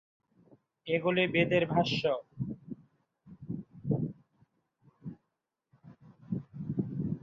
এগুলি বেদের ভাষ্য।